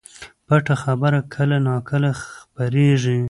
پټه خبره کله نا کله خپرېږي